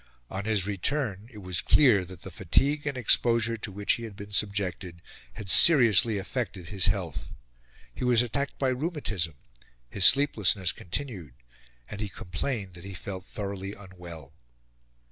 On his return, it was clear that the fatigue and exposure to which he had been subjected had seriously affected his health. He was attacked by rheumatism, his sleeplessness continued, and he complained that he felt thoroughly unwell.